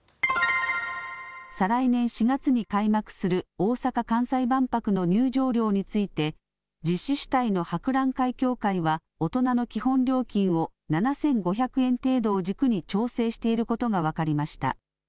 再来年４月に開幕する大阪・関西万博の入場料について実施主体の博覧会協会は大人の基本料金を７５００円程度を軸に調整していることが分かりました。